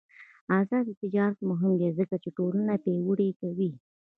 آزاد تجارت مهم دی ځکه چې ټولنه پیاوړې کوي.